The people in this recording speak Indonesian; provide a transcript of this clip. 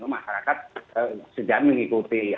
masyarakat sedang mengikuti